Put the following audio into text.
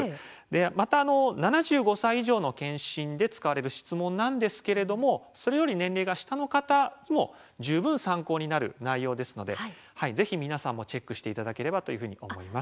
また７５歳以上の健診で使われる質問なんですけれどもそれより年齢が下の方も十分参考になる内容ですのでぜひ皆さんもチェックしていただければというふうに思います。